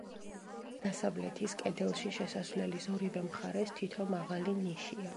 დასავლეთის კედელში, შესასვლელის ორივე მხარეს, თითო მაღალი ნიშია.